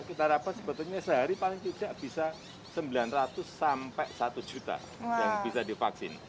kita harapkan sebetulnya sehari paling tidak bisa sembilan ratus sampai satu juta yang bisa divaksin